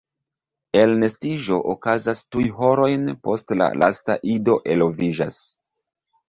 Elnestiĝo okazas tuj horojn post la lasta ido eloviĝas.